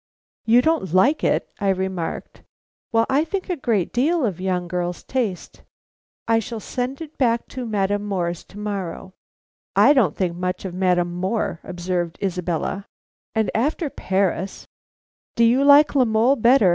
"You don't like it?" I remarked. "Well, I think a great deal of young girls' taste; I shall send it back to Madame More's to morrow." "I don't think much of Madame More," observed Isabella, "and after Paris " "Do you like La Mole better?"